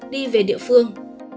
đi về địa phương